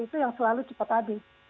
itu yang selalu cepat tadi